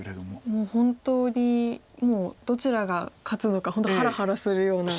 もう本当にどちらが勝つのか本当ハラハラするような。